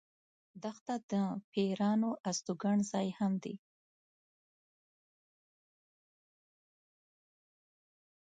دښته د پېرانو استوګن ځای هم دی.